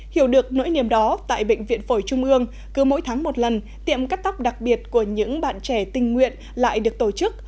hiểu được nỗi niềm đó tại bệnh viện phổi trung ương cứ mỗi tháng một lần tiệm cắt tóc đặc biệt của những bạn trẻ tình nguyện lại được tổ chức